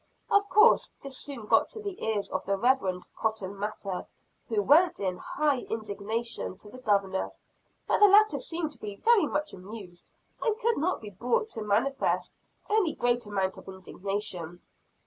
Of course this soon got to the ears of the Rev. Cotton Mather, who went in high indignation to the Governor. But the latter seemed to be very much amused, and could not be brought to manifest any great amount of indignation.